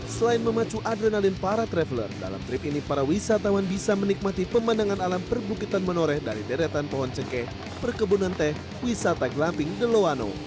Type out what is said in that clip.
selain memacu adrenalin para traveler dalam trip ini para wisatawan bisa menikmati pemandangan alam perbukitan menoreh dari deretan pohon cengkeh perkebunan teh wisata glamping the loano